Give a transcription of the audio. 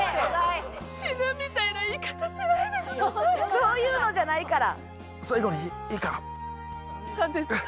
そういうのじゃないから。